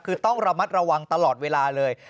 คือต้องระมัดระวังตลอดเวลาเลย